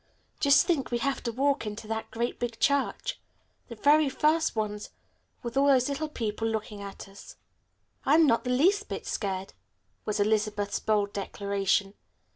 Just think, we have to walk into that great big church, the very first ones, with all those people looking at us." "I'm not the least bit scared," was Elizabeth's bold declaration.